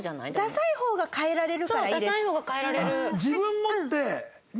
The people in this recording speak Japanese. ダサい方が変えられる。